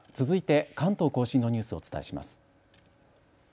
続いて関東甲信のニュースをお伝えします。